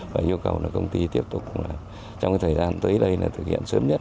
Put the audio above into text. và yêu cầu là công ty tiếp tục trong thời gian tới đây là thực hiện sớm nhất